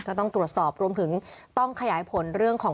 ก็ต้องตรวจสอบรวมถึงต้องขยายผลเรื่องของ